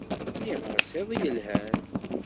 Nniɣ-as iḍ yelhan.